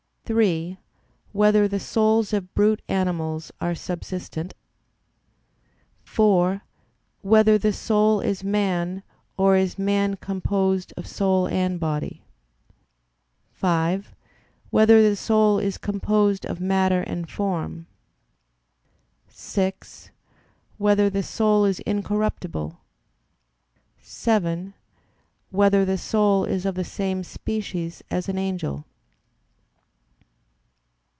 (3) Whether the souls of brute animals are subsistent? (4) Whether the soul is man, or is man composed of soul and body? (5) Whether the soul is composed of matter and form? (6) Whether the soul is incorruptible? (7) Whether the soul is of the same species as an angel?